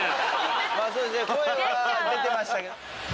声は出てましたけど。